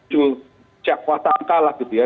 cukup cek kuatan kalah gitu ya